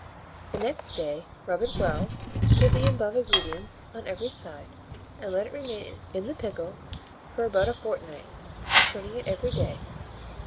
The next day, rub it well with the above ingredients on every side, and let it remain in the pickle for about a fortnight, turning it every day.